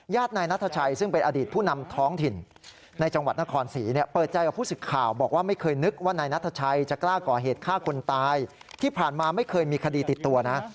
นายนัทชัยซึ่งเป็นอดีตผู้นำท้องถิ่นในจังหวัดนครศรีเนี่ยเปิดใจกับผู้สิทธิ์ข่าวบอกว่าไม่เคยนึกว่านายนัทชัยจะกล้าก่อเหตุฆ่าคนตายที่ผ่านมาไม่เคยมีคดีติดตัวนะ